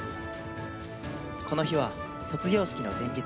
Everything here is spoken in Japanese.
この日は、卒業式の前日。